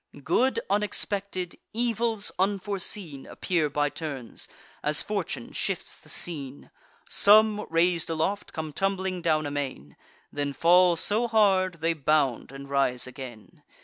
Good unexpected, evils unforeseen, Appear by turns, as fortune shifts the scene: Some, rais'd aloft, come tumbling down amain; Then fall so hard, they bound and rise again.